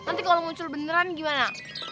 nanti kalau muncul beneran gimana